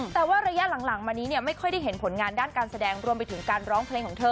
แต่ว่าระยะหลังมานี้เนี่ยไม่ค่อยได้เห็นผลงานด้านการแสดงรวมไปถึงการร้องเพลงของเธอ